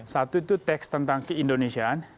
satu itu teks tentang keindonesiaan